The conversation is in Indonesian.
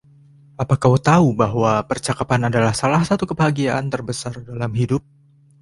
Apa kau tahu bahwa percakapan adalah salah satu kebahagiaan terbesar dalam hidup?